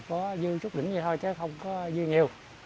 có dư chút đỉnh vậy thôi chứ không có dư nhiều